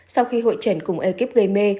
sau khi hội chẩn cùng ekip gây mê